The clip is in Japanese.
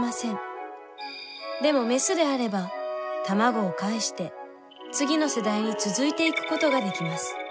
でもメスであれば卵を介して次の世代に続いていくことができます。